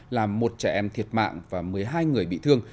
làm một trẻ em thiệt mạng và một mươi hai người bị thương